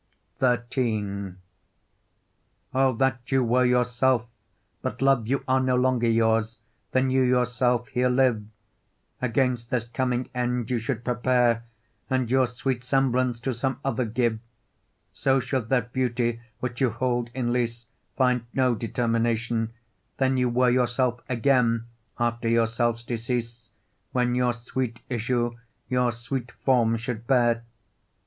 XIII O! that you were your self; but, love you are No longer yours, than you yourself here live: Against this coming end you should prepare, And your sweet semblance to some other give: So should that beauty which you hold in lease Find no determination; then you were Yourself again, after yourself's decease, When your sweet issue your sweet form should bear.